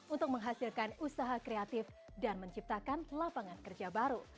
untuk menghasilkan usaha kreatif dan menciptakan lapangan kerja baru